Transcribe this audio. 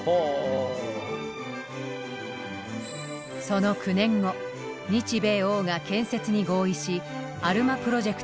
その９年後日米欧が建設に合意しアルマプロジェクトは動きだした。